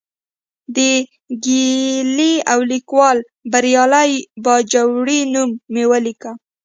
د ګیلې او لیکوال بریالي باجوړي نوم مې ولیکه.